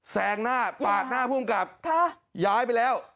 แซงหน้าปาดหน้าภูมิกับย้ายไปแล้ว